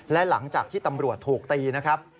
และหลังจากที่ตำรวจถูกตีนะครับ